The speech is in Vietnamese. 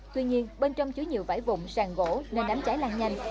tuy nhiên bên trong chứa nhiều vải vụng sàn gỗ nên đám cháy lăng nhanh